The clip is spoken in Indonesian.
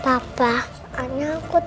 aku mau tidur